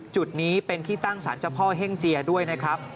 จุดนี้เป็นที่ตั้งสารเจ้าพ่อเฮ่งเจียด้วยนะครับ